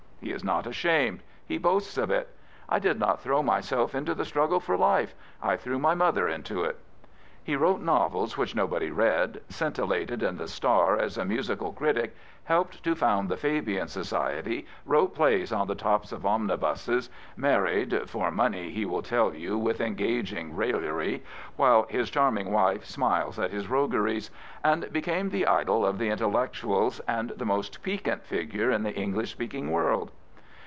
He is not ashamed: he boasts of it. " I did not throw myself into the struggle for life: I George Bernard Shaw threw my mother into it." He wrote novels which nobody read, sc i^ ^Uated in the Star as a musical critic, helped to found the Fabian Society, wrote plays on the tops of omnibuses, married —" for money," he will tell you with engaging raillery, while his charming wife smiles at his rogueries — and became the idol of the intellectuals and the most piquant figure in the English speaking world.